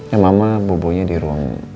ya mama bobo nya di ruang